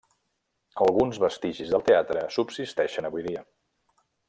Alguns vestigis del teatre subsisteixen avui dia.